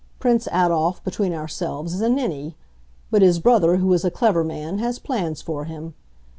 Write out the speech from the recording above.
Prince Adolf, between ourselves, is a ninny; but his brother, who is a clever man, has plans for him.